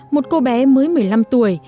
một cô bé mới một mươi năm tuổi